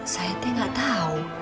saya teh gak tau